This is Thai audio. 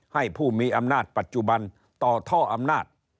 ให้ผู้มีอำนาจปัจจุบันต่อท่ออำนาจ